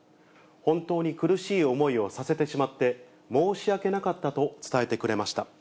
本当に苦しい思いをさせてしまって、申し訳なかったと伝えてくれました。